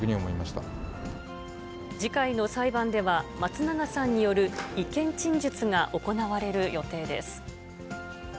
次回の裁判では、松永さんによる意見陳述が行われる予定です。